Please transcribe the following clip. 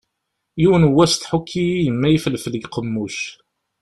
Yiwen n wass tḥukki-yi yemma ifelfel deg uqemmuc.